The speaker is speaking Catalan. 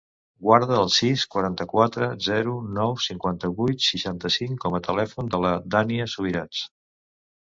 Guarda el sis, quaranta-quatre, zero, nou, cinquanta-vuit, seixanta-cinc com a telèfon de la Dània Subirats.